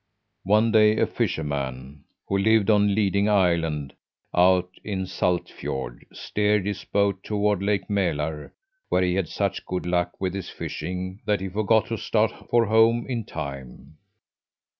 "One day a fisherman, who lived on Liding Island, out in Salt Fiord, steered his boat toward Lake Mälar, where he had such good luck with his fishing that he forgot to start for home in time.